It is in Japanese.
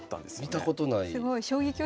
見たことない。